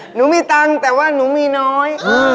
หนูมีตังค์แต่ว่าหนูมีน้อย